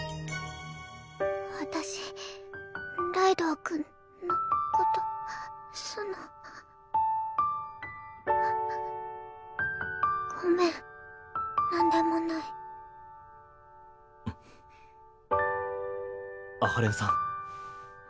私ライドウ君のことそのあっごめんなんでもない阿波連さんん？